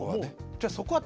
じゃそこは。